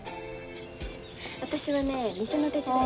私はね店の手伝い。